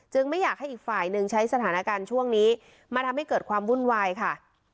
ไม่อยากให้อีกฝ่ายหนึ่งใช้สถานการณ์ช่วงนี้มาทำให้เกิดความวุ่นวายค่ะ